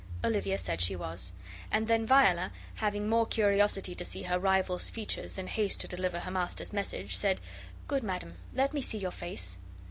Olivia said she was; and then Viola, having more curiosity to see her rival's features than haste to deliver her master's message, said, "Good madam, let me see your face."